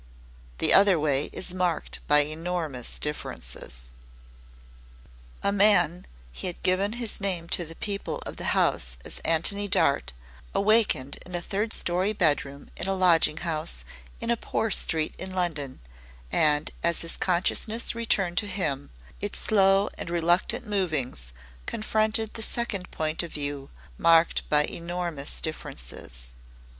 The other way is marked by enormous differences. A man he had given his name to the people of the house as Antony Dart awakened in a third story bedroom in a lodging house in a poor street in London, and as his consciousness returned to him, its slow and reluctant movings confronted the second point of view marked by enormous differences.